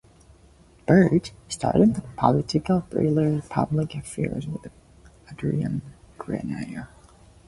Birch starred in the political thriller "Public Affairs", with Adrian Grenier.